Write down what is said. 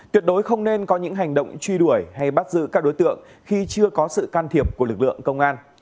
tuyệt đối không nên có những hành động truy đuổi hay bắt giữ các đối tượng khi chưa có sự can thiệp của lực lượng công an